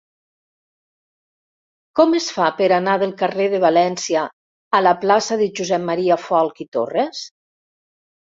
Com es fa per anar del carrer de València a la plaça de Josep M. Folch i Torres?